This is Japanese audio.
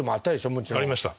もちろん。ありました。